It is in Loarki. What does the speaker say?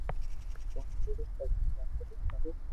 ڪوم پورو ڪرين سر نو دآکارو